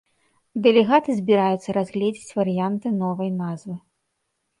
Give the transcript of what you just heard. Дэлегаты збіраюцца разгледзець варыянты новай назвы.